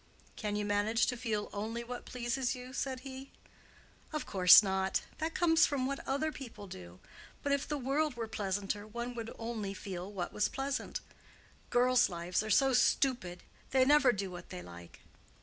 "Can you manage to feel only what pleases you?" said he. "Of course not; that comes from what other people do. But if the world were pleasanter, one would only feel what was pleasant. Girls' lives are so stupid: they never do what they like."